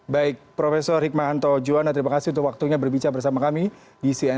baik prof hikmahanto juwana terima kasih untuk waktunya berbicara bersama kami di cnn indonesia